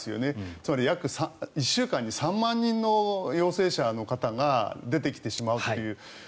つまり約１週間に３万人の陽性者の方が出てきてしまうという。